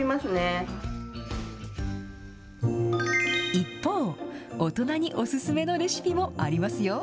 一方、大人にお勧めのレシピもありますよ。